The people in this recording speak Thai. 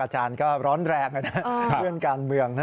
อาจารย์ก็ร้อนแรงเรื่องการเมือง